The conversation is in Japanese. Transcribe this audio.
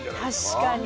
確かに。